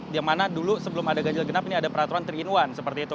di mana dulu sebelum ada ganjil genap ini ada peraturan tiga in satu seperti itu